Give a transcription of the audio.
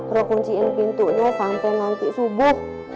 roh kunciin pintunya sampai nanti subuh